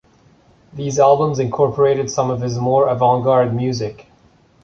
These albums incorporated some of his more avant-garde music.